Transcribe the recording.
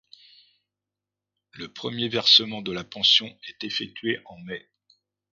Le premier versement de la pension est effectué en mai.